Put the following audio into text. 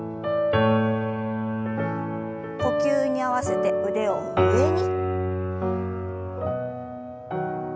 呼吸に合わせて腕を上に。